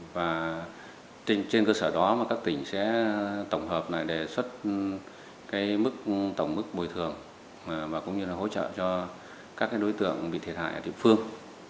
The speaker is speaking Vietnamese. và trên cơ sở đó các tỉnh sẽ tổng hợp lại đề xuất mức tổng mức bồi thường và cũng như là hỗ trợ cho các đối tượng bị thiệt hại ở địa phương